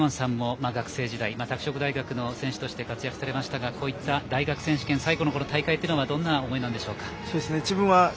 具智元さんも拓殖大学時代、選手として活躍されましたが大学選手権、最後の大会はどんな思いなんでしょうか。